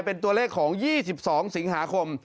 เป็นตัวเลขของ๒๒สิงหาคม